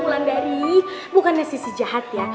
aduh ulan dari bukannya sisi jahat ya